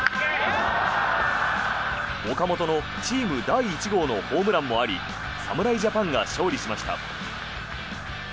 岡本のチーム第１号のホームランもあり侍ジャパンが勝利しました。